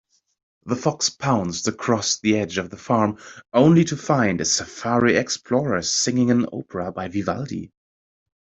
The fox pounced across the edge of the farm, only to find a safari explorer singing an opera by Vivaldi.